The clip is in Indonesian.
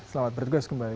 selamat berjelas kembali